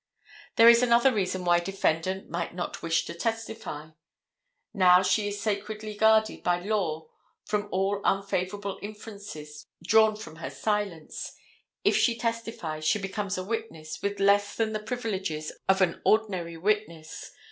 There is another reason why defendant might not wish to testify. Now she is sacredly guarded by the law from all unfavorable inferences drawn from her silence. If she testifies she becomes a witness, with less than the privileges of an ordinary witness.